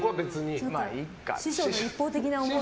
師匠の一方的な思いがね。